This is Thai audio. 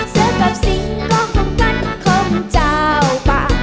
เสื้อกับสิ่งก็คงกันคงเจ้าป่ะ